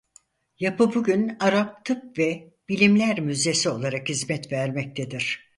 Yapı bugün Arap Tıp ve Bilimler Müzesi olarak hizmet vermektedir.